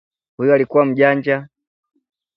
Huyu alikuwa mjanja